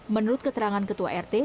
menurut keterangan ketua rt